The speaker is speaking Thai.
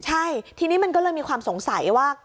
ใช่ทีนี้มันก็เลยมีความสงสัยว่า